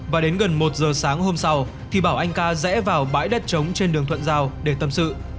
và đến gần một giờ sáng hôm sau thì bảo anh ca rẽ vào bãi đất trống trên đường thuận giao để tâm sự